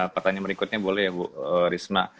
pertanyaan berikutnya boleh ya bu risma